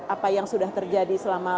apa yang sudah terjadi selama